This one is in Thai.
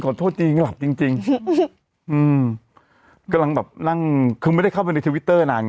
โทษจริงหลับจริงจริงอืมกำลังแบบนั่งคือไม่ได้เข้าไปในทวิตเตอร์นานไง